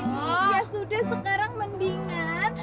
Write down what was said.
ya sudah sekarang mendingan